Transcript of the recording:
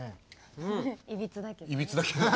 いびつだけどね。